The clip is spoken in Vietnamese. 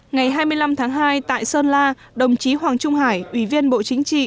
ngày hai mươi năm tháng hai tại sơn la đồng chí hoàng trung hải ủy viên bộ chính trị